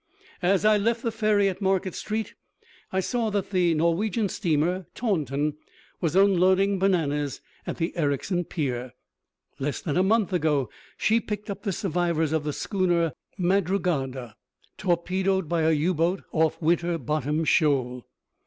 As I left the ferry at Market Street I saw that the Norwegian steamer Taunton was unloading bananas at the Ericsson pier. Less than a month ago she picked up the survivors of the schooner Madrugada, torpedoed by a U boat off Winter Bottom Shoal.